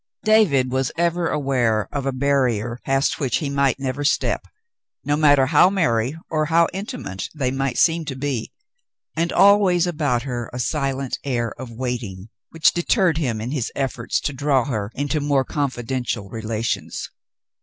David was ever aware of a barrier past which he might never step, no matter how merry or how intimate they might seem to be, and always about her a silent air of waiting, which deterred him in his efforts to draw her 103 * 104 The Mountain Girl into more confidential relations.